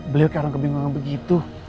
beliau kadang kebingungan begitu